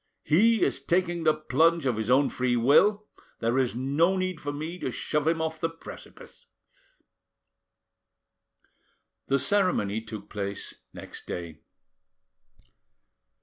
He is taking the plunge of his own free will, there is no need for me to shove him off the precipice." The ceremony took place next day.